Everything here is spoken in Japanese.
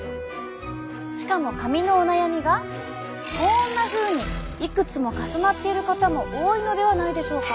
しかも髪のお悩みがこんなふうにいくつも重なっている方も多いのではないでしょうか。